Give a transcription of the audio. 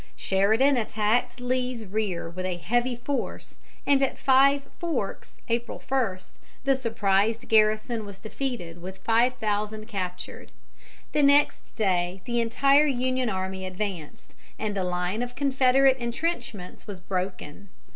Sheridan attacked Lee's rear with a heavy force, and at Five Forks, April 1, the surprised garrison was defeated with five thousand captured. The next day the entire Union army advanced, and the line of Confederate intrenchments was broken.